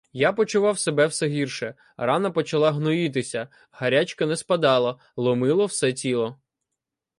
Я почував себе все гірше — рана почала гноїтися, гарячка не спадала, ломило все тіло.